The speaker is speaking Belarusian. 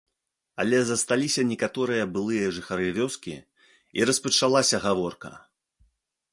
Але засталіся некаторыя былыя жыхары вёскі, і распачалася гаворка.